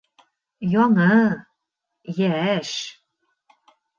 Яңы, йәш